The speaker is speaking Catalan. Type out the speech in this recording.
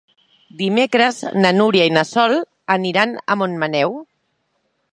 Dimecres na Núria i na Sol aniran a Montmaneu.